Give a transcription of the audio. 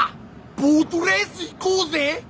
ボートレース行こうぜ！